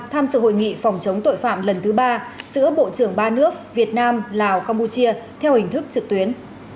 tham sự hội nghị phòng chống tội phạm lần thứ ba giữa bộ trưởng ba nước việt nam lào campuchia theo hình thức trực tuyến